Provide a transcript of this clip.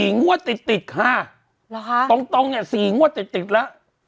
๔งวดติดค่ะตรง๔งวดติดละ